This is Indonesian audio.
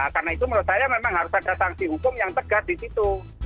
karena itu menurut saya memang harus ada tangsi hukum yang tegak di situ